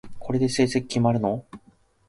これで成績決まるの？